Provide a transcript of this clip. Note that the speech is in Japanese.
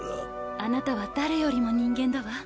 あなたは誰よりも人間だわ。